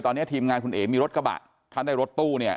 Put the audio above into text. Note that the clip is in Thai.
ตอนนี้ทีมงานคุณเอ๋มีรถกระบะถ้าได้รถตู้เนี่ย